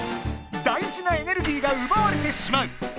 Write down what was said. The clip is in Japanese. だいじなエネルギーがうばわれてしまう！